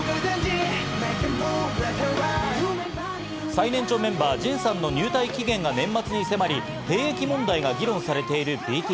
最年長メンバー・ＪＩＮさんの入隊期限が年末に迫り、兵役問題が議論されているＢＴＳ。